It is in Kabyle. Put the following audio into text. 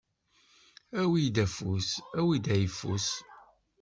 Awi-d afus, afus ayffus.